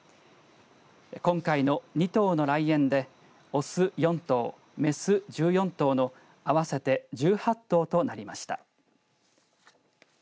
今回の２頭の来園で雄４頭、雌１４頭の合わせて１８頭となりました。